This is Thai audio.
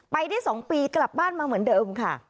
ไปได้๒ปีกลับบ้านมาเหมือนเดิมค่ะ